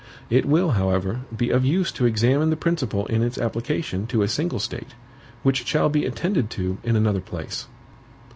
It will, however, be of use to examine the principle in its application to a single State, which shall be attended to in another place.